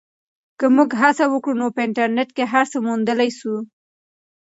که موږ هڅه وکړو نو په انټرنیټ کې هر څه موندلی سو.